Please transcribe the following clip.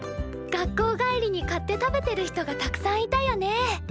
学校帰りに買って食べてる人がたくさんいたよね。